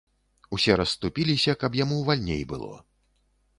Усе расступіліся, каб яму вальней было.